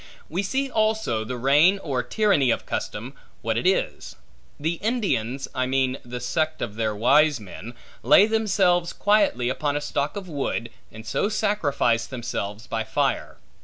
We see also the reign or tyranny of custom, what it is. The Indians (I mean the sect of their wise men) lay themselves quietly upon a stock of wood, and so sacrifice themselves by fire.